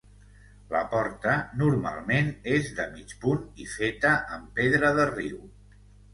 La porta normalment és de mig punt i feta amb pedra de riu.